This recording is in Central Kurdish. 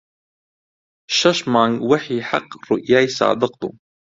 شەش مانگ وەحی حەق ڕوئیای سادق بوو